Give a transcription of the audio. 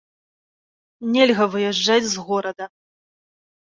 Нельга выязджаць з горада.